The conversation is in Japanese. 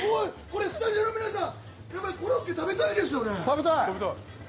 これ、スタジオの皆さん、コロッケ食べたいですよね？